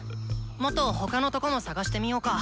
もっと他のとこも探してみようか？